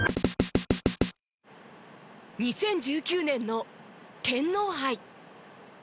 ２０１９年の天皇杯。